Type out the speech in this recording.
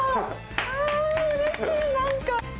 ああ嬉しいなんか。